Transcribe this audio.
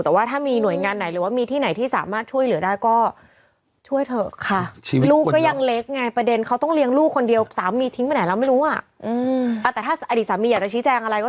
แต่ว่าถ้ามีหน่วยงานไหนหรือว่ามีที่ไหนที่สามารถช่วยเหลือได้ก็